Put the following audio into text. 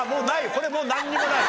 これもうなんにもない！